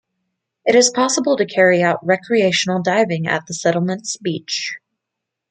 It is possible to carry out recreational diving at the settlement's beach.